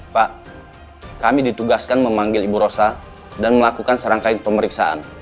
pak kami ditugaskan memanggil ibu rosa dan melakukan serangkaian pemeriksaan